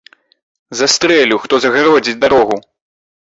Застрэлю, хто загародзіць дарогу!